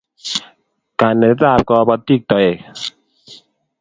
Kanetet ab kapotik toek